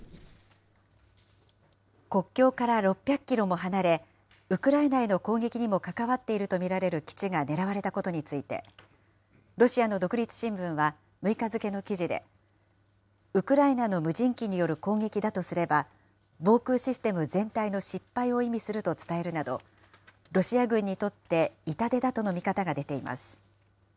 国境から６００キロも離れ、ウクライナへの攻撃にも関わっていると見られる基地が狙われたことについて、ロシアの独立新聞は６日付の記事で、ウクライナの無人機による攻撃だとすれば、防空システム全体の失敗を意味すると伝えるなど、ロシア軍にとって、痛手だとの見方が出ています。